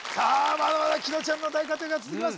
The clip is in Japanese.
まだまだ紀野ちゃんの大活躍が続きます